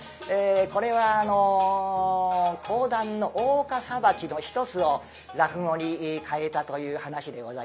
これはあの講談の大岡裁きの一つを落語に替えたという噺でございます。